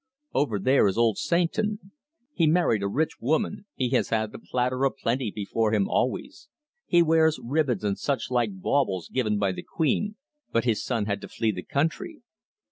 Over there is old Sainton. He married a rich woman, he has had the platter of plenty before him always, he wears ribbons and such like baubles given by the Queen, but his son had to flee the country.